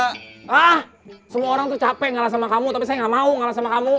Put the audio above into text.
ah semua orang tuh capek ngalah sama kamu tapi saya gak mau ngalah sama kamu